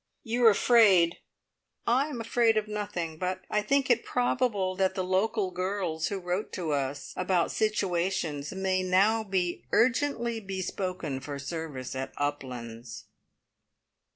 "You are afraid " "I am afraid of nothing, but I think it probable that the local girls who wrote to us about situations may now be `urgently' bespoken for service at Uplands."